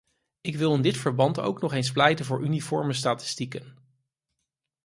Ik wil in dit verband ook nog eens pleiten voor uniforme statistieken.